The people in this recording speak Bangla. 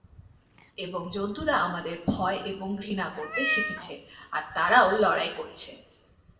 এবং জন্তুরা আমাদের ভয় এবং ঘৃণা করতে শিখেছে, আর তারাও লড়াই করেছে!